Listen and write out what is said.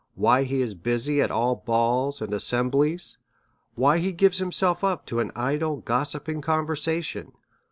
why he is busy at all balls and assemblies? why he gives himself up to an idle gossiping' conversation?